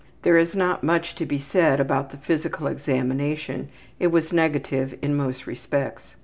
There is not much to be said about the physical examination; it was negative in most respects.